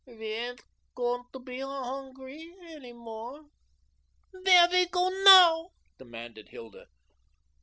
We aindt gowun to be hongry eny more." "Vair we go now?" demanded Hilda.